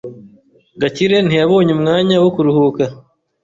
Gakire ntiyabonye umwanya wo kuruhuka.